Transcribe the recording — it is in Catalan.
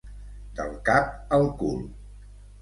Del cap al cul.